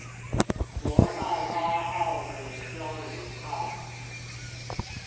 國道八號的交流道